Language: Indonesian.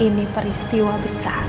ini peristiwa besar